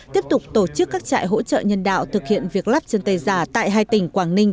tiếp tục tổ chức các trại hỗ trợ nhân đạo thực hiện việc lắp chân tay giả tại hai tỉnh quảng ninh